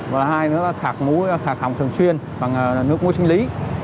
và hai nữa là khạc mũi khạc hỏng thường chuyên bằng nước mũi sinh lý